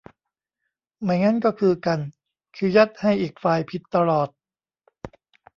ไม่งั้นก็คือกัน คือยัดให้อีกฝ่ายผิดตลอด